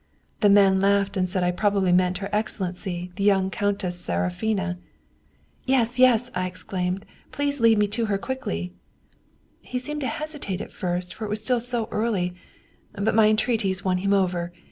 The man laughed and said I probably meant her excellency, the young Countess Seraphina. ' Yes, yes/ I exclaimed, ' please lead me to her quickly !' He seemed to hesitate at first for it was still so early, but my entreaties won him over.